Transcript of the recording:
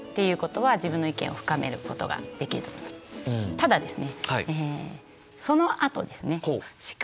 ただですね